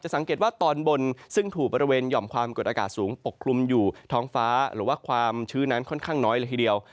สังเกตว่าตอนบนซึ่งถูกบริเวณหย่อมความกดอากาศสูงปกคลุมอยู่ท้องฟ้าหรือว่าความชื้นนั้นค่อนข้างน้อยเลยทีเดียว